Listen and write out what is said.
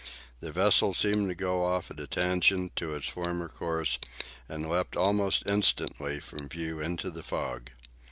The vessel seemed to go off at a tangent to its former course and leapt almost instantly from view into the fog.